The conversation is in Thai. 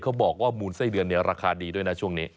บอกว่ามูลไส้เดือนเนี่ยราคาดีด้วยนะช่วงนี้